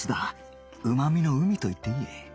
うまみの海と言っていい